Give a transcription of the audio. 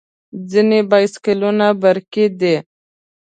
ځینې بایسکلونه برقي دي.